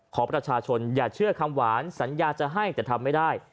ขอประชาชนอย่าเชื่อคำหวานสัญญาจะให้แต่ทำไม่ได้